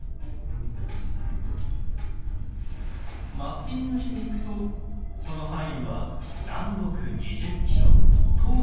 マッピングしていくとその範囲は南北２０キロ東西１０キロ。